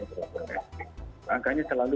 dan perwakilan rakyat angkanya selalu